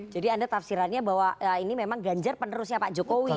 jadi anda tafsirannya bahwa ini memang ganjar penerusnya pak jokowi